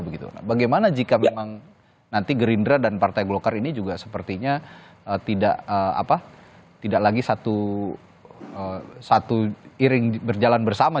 bagaimana jika memang nanti gerindra dan partai golkar ini juga sepertinya tidak lagi satu iring berjalan bersama